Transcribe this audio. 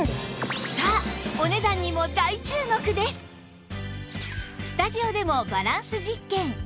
さあスタジオでもバランス実験